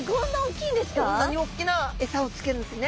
こんなにおっきなエサをつけるんですね。